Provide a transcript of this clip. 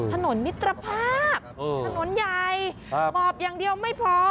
ถนนมิตรภาพถนนใหญ่หมอบอย่างเดียวไม่พอ